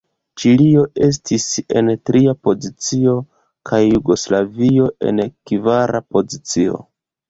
Ĉilio estis en tria pozicio, kaj Jugoslavio en kvara pozicio.